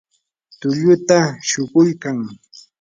tulluta shuquykan.